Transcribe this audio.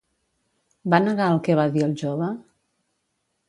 Va negar el que va dir el jove?